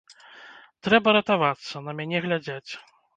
Трэба ратавацца, на мяне глядзяць.